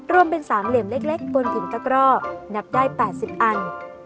รวมเป็น๓เหลี่ยมเล็กบนผินตะกร่อนับได้๘๐อัน